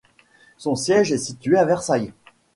Son siège est situé à Versailles.